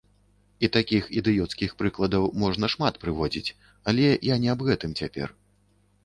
І такіх ідыёцкіх прыкладаў можна шмат прыводзіць, але я не аб гэтым цяпер.